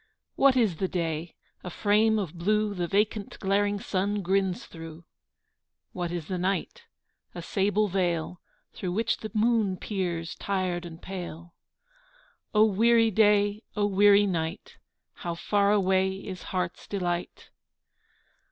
What is the day? A frame of blue The vacant glaring sun grins through. What is the night? A sable veil Through which the moon peers tired and pale. O weary day! O weary night! How far away is heart's delight!